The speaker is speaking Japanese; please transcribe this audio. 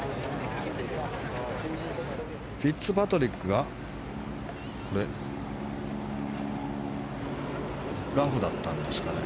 フィッツパトリックがラフだったんですかね。